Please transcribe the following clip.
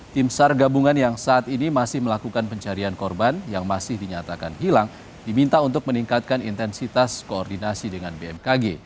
tim sar gabungan yang saat ini masih melakukan pencarian korban yang masih dinyatakan hilang diminta untuk meningkatkan intensitas koordinasi dengan bmkg